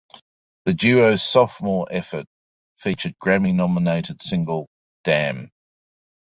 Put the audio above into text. The duo's sophomore effort featured Grammy-nominated single Damn!